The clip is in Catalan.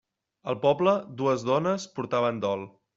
Al poble dues dones portaven dol.